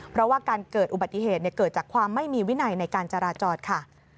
เพราะว่าการเกิดอุบัติเหตุเกิดจากความไม่มีวินัยในการจราจรค่ะ